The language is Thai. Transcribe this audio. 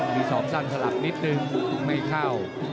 มีศอกสั้นสลับนิดนึงไม่เข้า